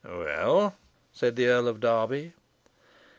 "Well!" said the Earl of Derby.